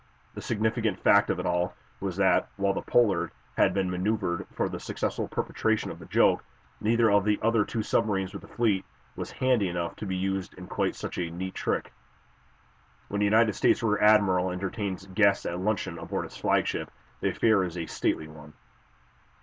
The significant fact of it all was that, while the "Pollard" had been manoeuvred for the successful perpetration of the joke, neither of the other two submarines with the fleet was "handy" enough to be used in quite such a neat trick. When a United States rear admiral entertains guests at luncheon aboard his flagship, the affair is a stately one.